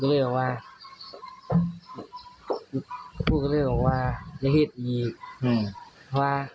แล้วก็เลียกว่ากูก็เลียกว่าแหทย์หรือขวา